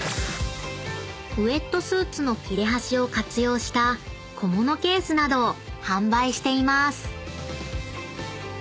［ウェットスーツの切れ端を活用した小物ケースなどを販売しています］